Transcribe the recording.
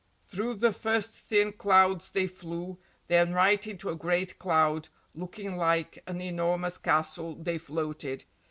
Through the first thin clouds they flew; then right into a great cloud, looking like an enormous castle, they floated.